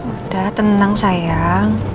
udah tenang sayang